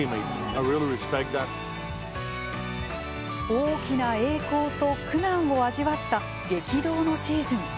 大きな栄光と苦難を味わった激動のシーズン。